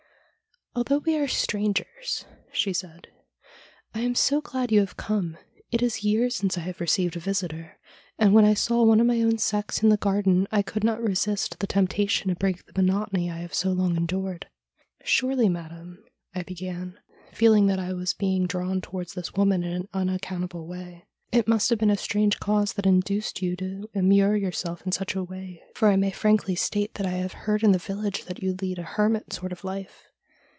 ' Although we are strangers,' she said, ' I am so glad you have come. It is years since I received a visitor, and when I saw one of my own sex in the garden I could not resist the temptation to break the monotony I have so long endured.' ' Surely, madam,' I began, feeling that I was being drawn towards this woman in an unaccountable way, ' it must have been a strange cause that induced you to immure yourself in such a way, for I may frankly state that I have heard in the village that you lead a hermit sort of life.'